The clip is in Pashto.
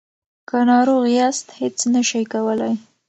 که ناروغ یاست هیڅ نشئ کولای.